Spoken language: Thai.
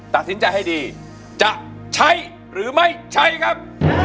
ตัดสินใจให้ดีจะใช้หรือไม่ใช้ครับ